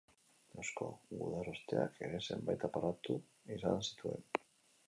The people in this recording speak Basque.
Eusko Gudarosteak ere zenbait aparatu izan zituen.